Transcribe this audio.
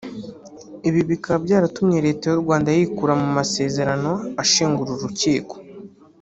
ibi bikaba byaratumye Leta y’u Rwanda yikura mu masezerano ashinga uru rukiko